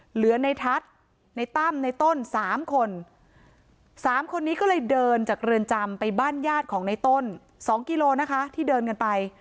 เหลือในทัศน์ในตั้มในต้นสามคนสามคนนี้ก็เลยเดินจากเรือนจำไปบ้านญาติของในต้น๒กิโลนะคะที่เดินกันไป